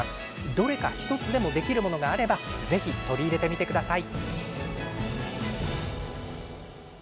どれか１つでもできるものがあればぜひ取り入れてみてください。